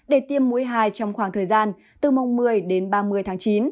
để tiêm mũi hai trong khoảng thời gian từ mùng một mươi đến ba mươi tháng chín